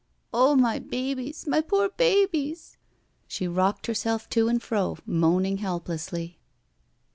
Oh, my babies, my poor babies I" She rocked herself to and fro, moaning helplessly.